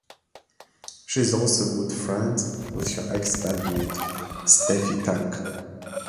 She is also good friends with her ex-bandmate, Stephy Tang.